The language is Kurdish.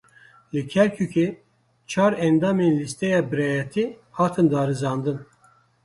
Li Kerkûkê çar endamên lîsteya Birayetî hatin darizandin.